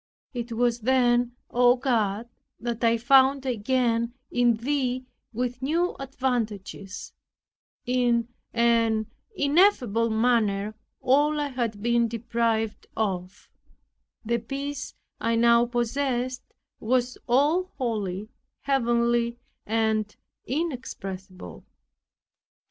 It was then, O God, that I found again in Thee with new advantages, in an ineffable manner, all I had been deprived of; the peace I now possessed was all holy, heavenly and inexpressible.